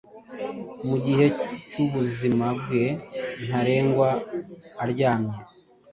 Mugihe cyubuzima bwe ntarengwa aryamye